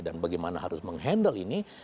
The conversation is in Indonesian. dan bagaimana harus menghandle ini